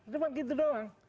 cuma gitu doang